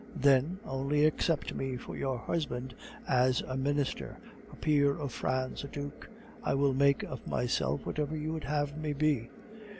Then, only accept me for your husband as a minister, a peer of France, a duke. I will make of myself whatever you would have me be!